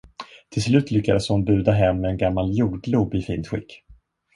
Till slut lyckades hon buda hem en gammal jordglob i fint skick.